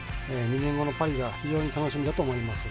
２年後のパリが非常に楽しみだと思います。